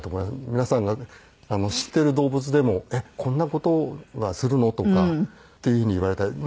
皆さんが知っている動物でもえっこんな事するの？とかっていうふうに言われたい。